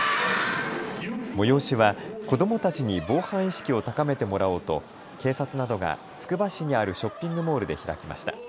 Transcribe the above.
催しは子どもたちに防犯意識を高めてもらおうと警察などがつくば市にあるショッピングモールで開きました。